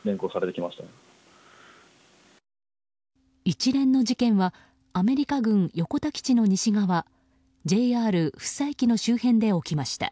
一連の事件はアメリカ軍横田基地の西側ＪＲ福生駅の周辺で起きました。